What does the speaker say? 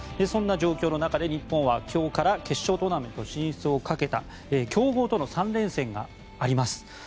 そんな状況の中で日本は今日から決勝トーナメント進出をかけた強豪との３連戦があります。